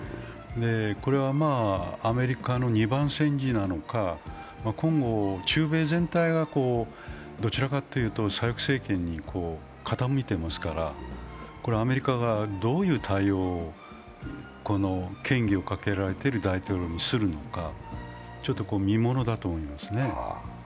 これはアメリカの二番煎じなのか今後、中米全体がどちらかというと左翼政権に傾いていますからアメリカがどういう対応を嫌疑をかけられている大統領にするのかちょっと見ものだと思いますね。